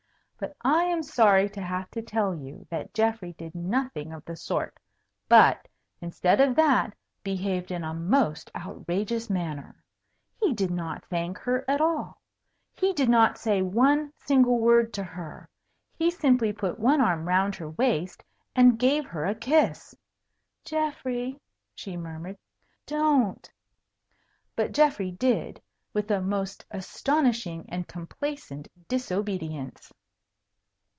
But I am sorry to have to tell you that Geoffrey did nothing of the sort, but, instead of that, behaved in a most outrageous manner. He did not thank her at all. He did not say one single word to her. He simply put one arm round her waist and gave her a kiss! "Geoffrey!" she murmured, "don't!" But Geoffrey did, with the most astonishing and complacent disobedience.